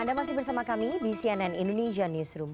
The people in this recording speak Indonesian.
anda masih bersama kami di cnn indonesia newsroom